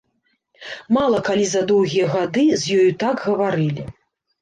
Мала калі за доўгія гады з ёю так гаварылі.